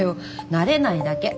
慣れないだけ。